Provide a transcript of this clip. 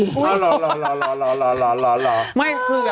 หรอ